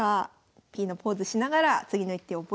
Ｐのポーズしながら次の一手覚えましょう。